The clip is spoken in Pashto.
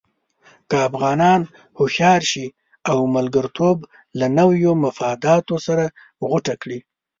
که افغانان هوښیار شي او ملګرتوب له نویو مفاداتو سره غوټه کړي.